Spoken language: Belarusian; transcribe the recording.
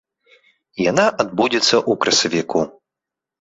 Яна адбудзецца ў красавіку.